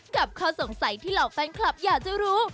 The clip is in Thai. ข้อสงสัยที่เหล่าแฟนคลับอยากจะรู้